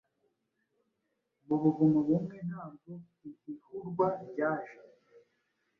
mu buvumo bumwe, ntabwo ihihurwa ryaje